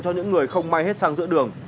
cho những người không may hết xăng giữa đường